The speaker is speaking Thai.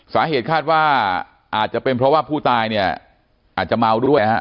สาเหตุคาดว่าอาจจะเป็นเพราะว่าผู้ตายเนี่ยอาจจะเมาด้วยฮะ